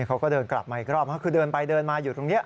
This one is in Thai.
เขาก็เดินกลับมาอีกรอบคือเดินไปเดินมาอยู่ตรงนี้